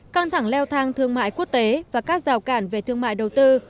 căng thẳng leo thang thương mại quốc tế và các rào cản về thương mại đầu tư